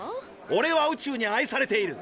オレは宇宙に愛されている！